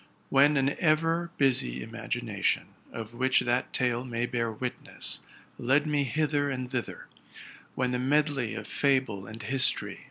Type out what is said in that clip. When an ever busy imagination, of which that tale may bear witness, led me hither and thither; when the medley 'of fable and histor y.